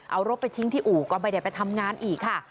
เอารถไปทิ้งที่อู่ก็ไม่ได้ไปทำงานอีกค่ะ